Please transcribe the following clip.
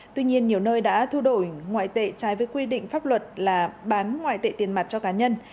tuy nhiên nhiều nơi đã thu đổi ngoại tệ trái với quy định pháp luật là bán ngoại tệ tiền mặt cho cá nhân